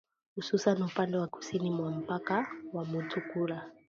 Hususani upande wa kusini mwa mpaka wa Mutukula.